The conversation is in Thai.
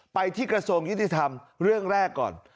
ไปที่กระทรวงยุติธรรมเรื่องแรกก่อน